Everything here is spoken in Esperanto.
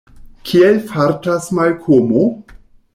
Kiel fartas Malkomo?